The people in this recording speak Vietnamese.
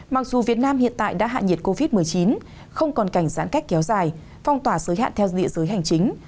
mặc dù việt nam hiện tại đã hạ nhiệt covid một mươi chín không còn cảnh giãn cách kéo dài phong tỏa giới hạn theo địa giới hành chính